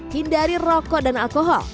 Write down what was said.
hindari rokok dan alkohol